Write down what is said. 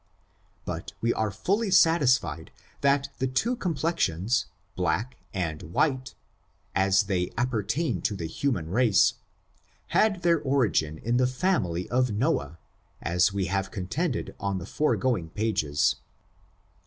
But we are fully satisfied, that the two complexions, black and white, as they appertain to the human race, had their origin in the family of Noah, as we have contended on the foregoing pages.